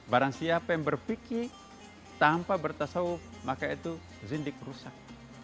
barang siapa yang berpikir tanpa bertasau maka itu zintik rusak